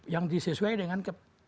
yang disesuai dengan